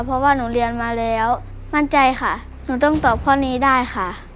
เพราะว่าหนูเรียนมาแล้วมั่นใจค่ะหนูต้องตอบข้อนี้ได้ค่ะ